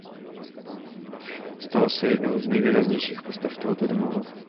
Stal se jednou z nejvýraznějších postav tohoto Domova.